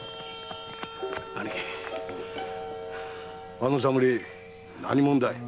あの侍何者だい？